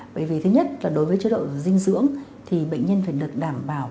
bởi vì thứ nhất là đối với chế độ dinh dưỡng thì bệnh nhân phải được đảm bảo